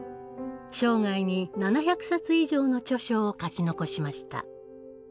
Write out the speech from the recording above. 生涯に７００冊以上の著書を書き残しました。